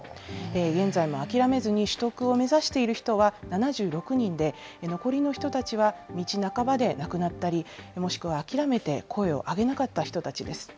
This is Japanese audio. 現在も諦めずに取得を目指している人は７６人で、残りの人たちは道半ばで亡くなったり、もしくは諦めて声を上げなかった人たちです。